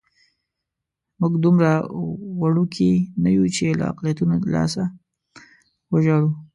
موږ دومره وړوکي نه یو چې له اقلیتونو لاسه وژاړو.